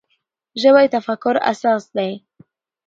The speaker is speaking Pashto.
ژبه د تفکر اساس ده.